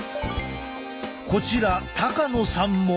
こちら高野さんも。